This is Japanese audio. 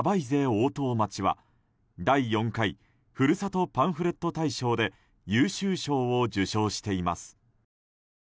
おおとう町」は第４回ふるさとパンフレット大賞で優秀賞を受賞しています。